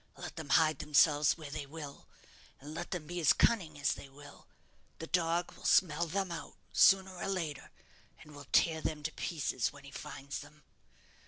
Let them hide themselves where they will, and let them be as cunning as they will, the dog will smell them out, sooner or later, and will tear them to pieces when he finds them.